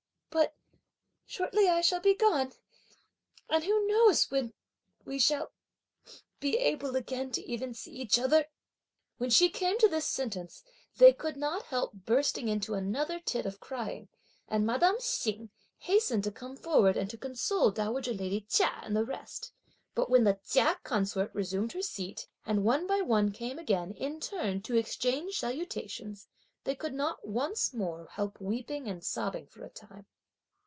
But shortly, I shall be gone, and who knows when we shall be able again to even see each other!" When she came to this sentence, they could not help bursting into another tit of crying; and Madame Hsing hastened to come forward, and to console dowager lady Chia and the rest. But when the Chia consort resumed her seat, and one by one came again, in turn, to exchange salutations, they could not once more help weeping and sobbing for a time.